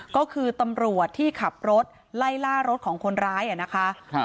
ก็คือตำรวจที่ขับรถไล่ล่ารถของคนร้ายนะคะ